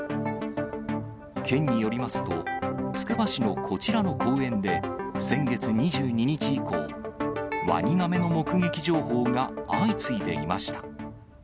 県によりますと、つくば市のこちらの公園で、先月２２日以降、ワニガメの目撃情報が相次いでいました。